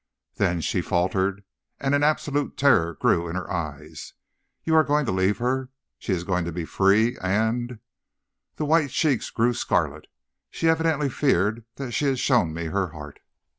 "'Then,' she faltered, and an absolute terror grew in her eyes, 'you are going to leave her. She is going to be free, and ' The white cheeks grew scarlet. She evidently feared that she had shown me her heart.